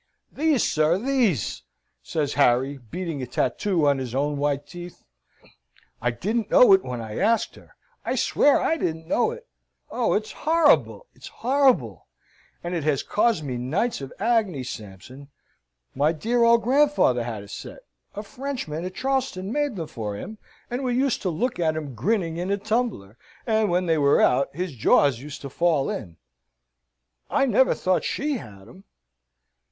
"These, sir, these!" says Harry, beating a tattoo on his own white teeth. "I didn't know it when I asked her. I swear I didn't know it. Oh, it's horrible it's horrible! and it has caused me nights of agony, Sampson. My dear old grandfather had a set a Frenchman at Charleston made them for him, and we used to look at 'em grinning in a tumbler, and when they were out, his jaws used to fall in I never thought she had 'em."